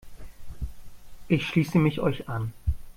Ich schließe mich euch an.